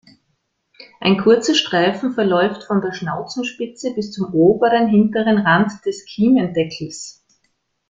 Ein kurzer Streifen verläuft von der Schnauzenspitze bis zum oberen hinteren Rand des Kiemendeckels.